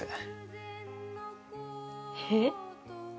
えっ？